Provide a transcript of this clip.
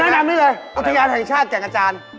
แนะนำได้เลยอุทยานแห่งชาติแก่งกระจาน